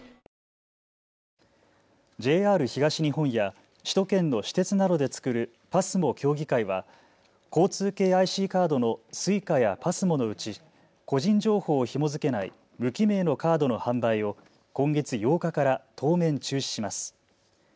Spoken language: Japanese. ＪＲ東日本や首都圏の私鉄などで作るＰＡＳＭＯ協議会は交通系ＩＣカードのＳｕｉｃａやＰＡＳＭＯのうち個人情報をひも付けない無記名のカードの販売を今月８日から当面、中止します。